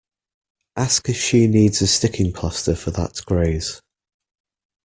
Ask if she needs a sticking plaster for that graze.